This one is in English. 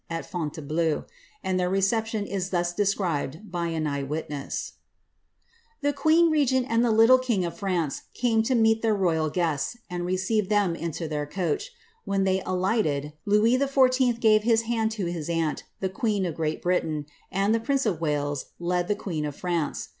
at Fontaior bleau, and their reception is thus described by an eye witness :^^* The queen regent and the little king of France came to meet their royal guests, and received them into their coacii. When they alighted, Louis XIV. gave his hand to his aunt, the queen of Great Britain, and the prince of Wales led the queen of France.